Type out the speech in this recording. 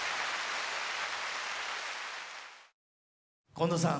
近藤さん